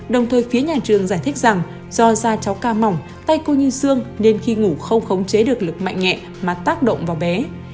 đồng thời phía nhà trường giải thích rằng do da cháu ca mỏng tay cô như xương nên khi ngủ không khống chế được lực mạnh nhẹ mà tác động vào bé